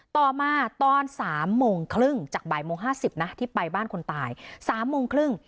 ต่อมาตอน๓โมงครึ่งจากบ่ายโมง๕๐นะที่ไปบ้านคนตาย๓โมงครึ่ง